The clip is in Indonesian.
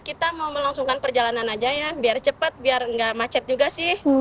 kita mau melangsungkan perjalanan aja ya biar cepat biar nggak macet juga sih